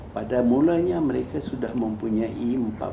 pada mulanya mereka sudah mempunyai impact